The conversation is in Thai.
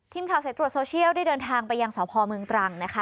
ทีมข่าวสายตรวจโซเชียลได้เดินทางไปยังสพเมืองตรังนะคะ